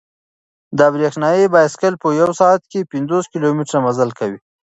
دا برېښنايي بایسکل په یوه ساعت کې پنځوس کیلومتره مزل کوي.